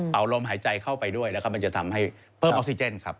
เอาลมหายใจเข้าไปด้วยแล้วก็มันจะทำให้เพิ่มออกซิเจนครับ